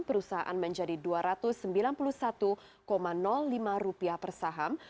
perusahaan menjadi rp dua ratus sembilan puluh satu lima persaham